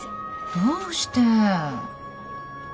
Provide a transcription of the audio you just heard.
どうして。